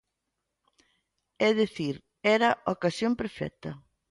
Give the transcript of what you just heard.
É dicir, era a ocasión perfecta.